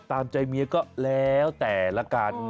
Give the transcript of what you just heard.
ตามใจเมียก็แล้วแต่ละกัน